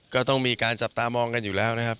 ก็ต้องมีการจับตามองกันอยู่แล้วนะครับ